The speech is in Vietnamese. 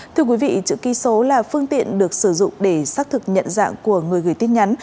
thưa quý vị chữ ký số là phương tiện được sử dụng để xác thực nhận dạng của người gửi tin nhắn